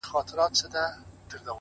o سیاه پوسي ده، ژوند تفسیرېږي،